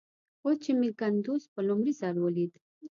اوس چې مې کندوز په لومړي ځل وليد.